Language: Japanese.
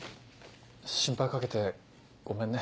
心配かけてごめんね。